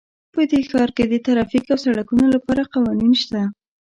په دې ښار کې د ټرافیک او سړکونو لپاره قوانین شته